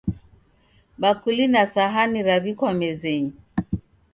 Bakuli na sahani raw'ikwa mezenyi